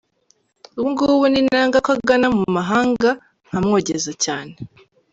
Ubu ngubu ninanga Ko agana mu mahanga Nkamwogeza cyane.